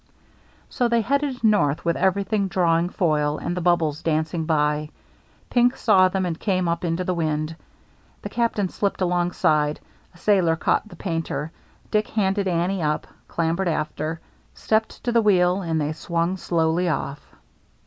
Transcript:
So they headed north, with everything draw ing foil and the bubbles dancing by. Pink saw them and came up into the wind. The Captain slipped alongside, a sailor caught the painter, Dick handed Annie up, clambered after, stepped to the wheel, and they swung slowly off.